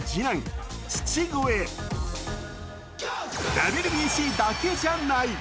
ＷＢＣだけじゃない。